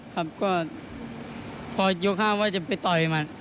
พอกับก็ยก๕ไว้จะไปต่อยมัน